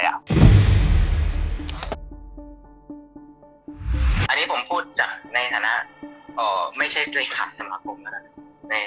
อันนี้ผมพูดจากในฐานะไม่ใช่ตัวขาดสำหรับผมนะครับ